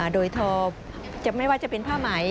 โดยทอไม่ว่าจะเป็นผ้าไหม